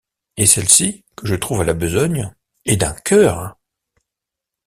Et celle-ci, que je trouve à la besogne, et d’un cœur!